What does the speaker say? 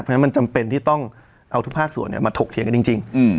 เพราะฉะนั้นมันจำเป็นที่ต้องเอาทุกภาคส่วนมาถกเถียงกันจริง